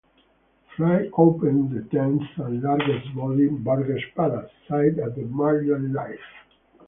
Flay opened the tenth and largest Bobby's Burger Palace site at Maryland Live!